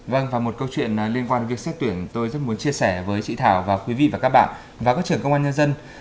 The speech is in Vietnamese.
vâng và một câu chuyện liên quan việc xét tuyển tôi rất muốn chia sẻ với chị thảo và quý vị và các bạn vào các trường công an nhân dân